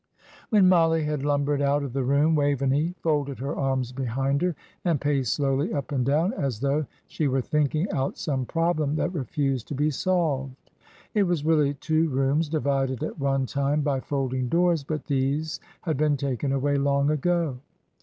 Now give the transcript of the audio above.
When Mollie had lumbered out of the room, Waveney folded her arms behind her and paced slowly up and down, as though she were thinking out some problem that refused to be solved. It was really two rooms, divided at one time by folding doors; but these had been taken away long ago.